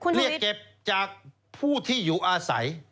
เรียกเก็บจากผู้ที่อยู่อาศัย